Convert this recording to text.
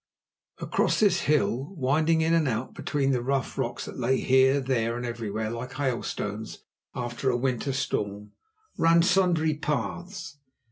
Across this hill, winding in and out between the rough rocks that lay here, there and everywhere like hailstones after a winter storm, ran sundry paths.